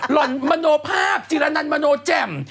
หล่อนมโมนกางจิระนันมาโนจแจ่ม